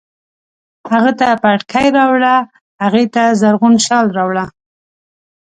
هغه ته پټکی راوړه، هغې ته زرغون شال راوړه